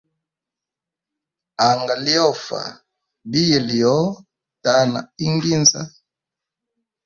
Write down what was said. Anga lyofa biya lyo tana inginza.